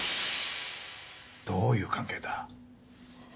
どういう関係だ？